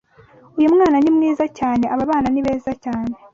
Uyu mwana ni mwiza cyaneAba bana ni beza cyane.